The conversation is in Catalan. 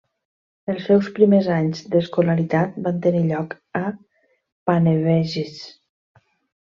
Els seus primers anys d'escolaritat van tenir lloc a Panevėžys.